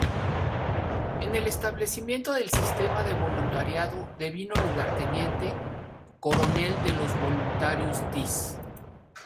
En el establecimiento del sistema de voluntariado devino lugarteniente -coronel de los voluntarios Diss.